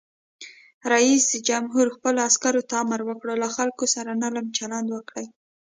رئیس جمهور خپلو عسکرو ته امر وکړ؛ له خلکو سره نرم چلند وکړئ!